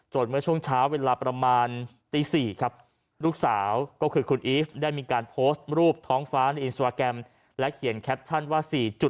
เมื่อช่วงเช้าเวลาประมาณตี๔ครับลูกสาวก็คือคุณอีฟได้มีการโพสต์รูปท้องฟ้าในอินสตราแกรมและเขียนแคปชั่นว่า๔๗